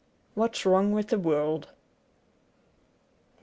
'IV hat's Wrong with the World: 97